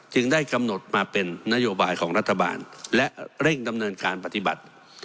ได้กำหนดมาเป็นนโยบายของรัฐบาลและเร่งดำเนินการปฏิบัติ